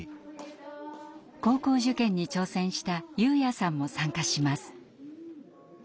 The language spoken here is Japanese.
高校受験に挑戦したユウヤさんも参加します。